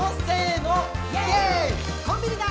「コンビニだ！